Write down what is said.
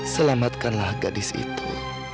selamatkanlah gadis itu